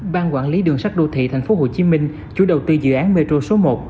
ban quản lý đường sắt đô thị tp hcm chủ đầu tư dự án metro số một